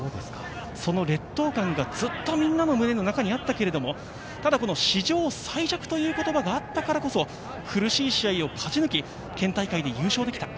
その劣等感がずっとみんなの胸の中にあったけれど、史上最弱という言葉があったからこそ、苦しい試合を勝ち抜き、県大会で優勝できた。